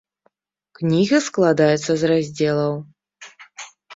Кніга складаецца з раздзелаў.